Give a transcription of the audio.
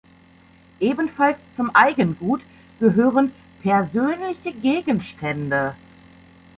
Ebenfalls zum Eigengut gehören persönliche Gegenstände.